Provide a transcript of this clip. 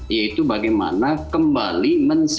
yaitu bagaimana kembali mensinkronisasi